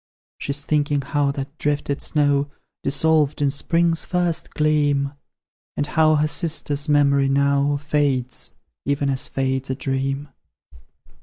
She's thinking how that drifted snow Dissolved in spring's first gleam, And how her sister's memory now Fades, even as fades a dream.